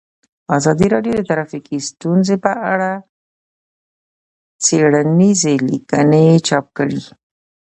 ازادي راډیو د ټرافیکي ستونزې په اړه څېړنیزې لیکنې چاپ کړي.